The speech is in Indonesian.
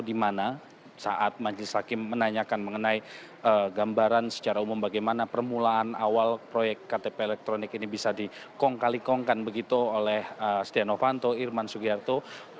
di mana saat majelis hakim menanyakan mengenai gambaran secara umum bagaimana permulaan awal proyek ktp elektronik ini bisa dikongkali kongkan begitu oleh stiano fanto irman sugiharto